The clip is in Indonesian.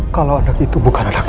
kalo anak itu bukan anaknya roy